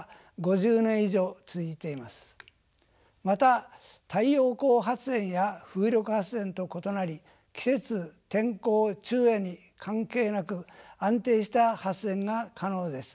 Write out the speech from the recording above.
また太陽光発電や風力発電と異なり季節天候昼夜に関係なく安定した発電が可能です。